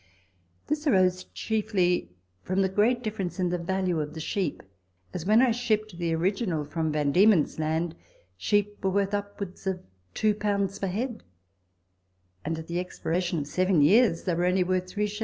This arose chiefly from the great difference in the value of sheep, as when I shipped the original from Van Diemen's Land, sheep were worth upwards of 2 per head, and, at the expiration of seven years, they were only worth from 3s.